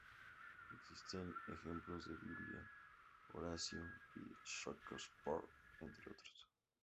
Existen ejemplos en la Biblia, Horacio y Shakespeare, entre otros.